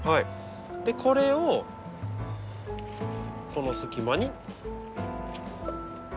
でこれをこの隙間に入れます。